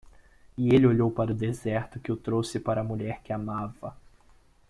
E ele olhou para o deserto que o trouxe para a mulher que amava.